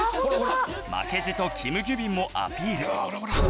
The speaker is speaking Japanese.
負けじとキム・ギュビンもアピール